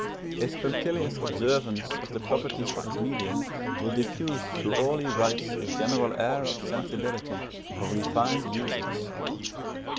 His punctilious observance of the proprieties of his medium will diffuse through all he writes a general air of sensibility, of refined usage.